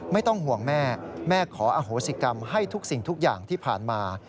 ไม่ต้องห่วงแม่แม่ขออโหสิกรรมให้ทุกสิ่งทุกอย่างที่ผ่านมา